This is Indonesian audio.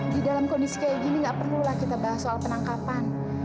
di dalam kondisi kayak gini gak perlulah kita bahas soal penangkapan